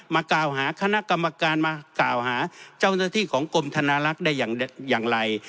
กล่าวหาคณะกรรมการมากล่าวหาเจ้าหน้าที่ของกรมธนารักษ์ได้อย่างไร